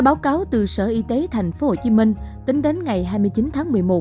báo cáo từ sở y tế tp hcm tính đến ngày hai mươi chín tháng một mươi một